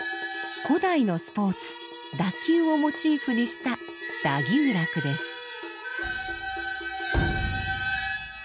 古代のスポーツ「打毬」をモチーフにした「打球楽」です。